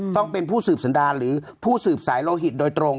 ต้องเป็นผู้สืบสันดาหรือผู้สืบสายโลหิตโดยตรง